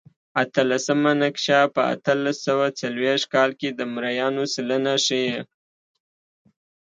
اتلسمه نقشه په اتلس سوه څلوېښت کال کې د مریانو سلنه ښيي.